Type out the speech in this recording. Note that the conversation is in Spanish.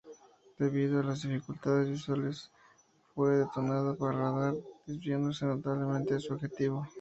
Debido a las dificultades visuales, fue detonada por radar, desviándose notablemente de su objetivo.